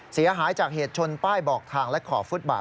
เสียหายจากเหตุชนป้ายบอกทางและขอบฟุตบาท